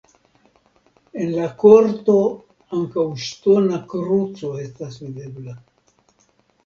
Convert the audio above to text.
En la korto ankaŭ ŝtona kruco estas videbla.